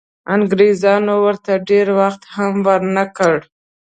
انګریزانو ورته ډېر وخت هم ورنه کړ.